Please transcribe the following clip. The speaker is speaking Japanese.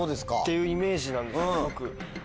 いうイメージなんですすごく。